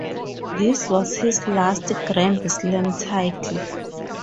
This was his last Grand slam title.